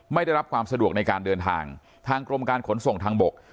ไม่ได้รับความสะดวกในการเดินทางทางกรมการขนส่งทางบก